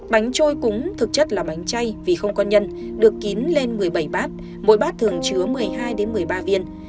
bánh trôi cúng thực chất là bánh chay vì không có nhân được kín lên một mươi bảy bát mỗi bát thường chứa một mươi hai một mươi ba viên